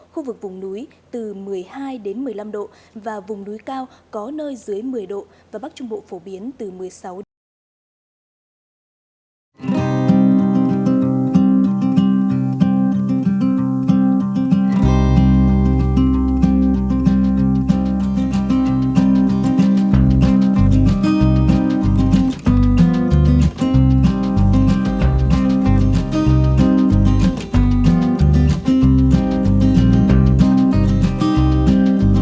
khu vực vùng núi từ một mươi hai một mươi năm độ và vùng núi cao có nơi dưới một mươi độ và bắc trung bộ phổ biến từ một mươi sáu độ